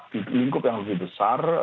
di lingkup yang lebih besar